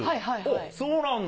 そうなんだ。